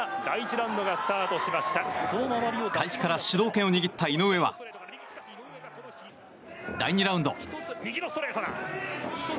開始から主導権を握った井上は第２ラウンド。